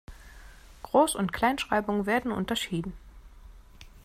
Groß- und Kleinschreibung werden unterschieden.